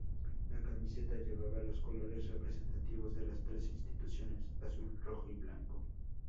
La camiseta llevaba los colores representativos de las tres instituciones: azul, rojo y blanco.